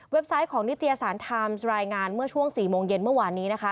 ไซต์ของนิตยสารไทม์รายงานเมื่อช่วง๔โมงเย็นเมื่อวานนี้นะคะ